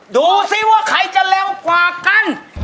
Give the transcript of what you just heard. ดูสิว่าใครจะเร็วกว่ากัน